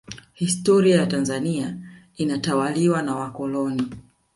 historia ya tanzania inatawaliwa na wakoloni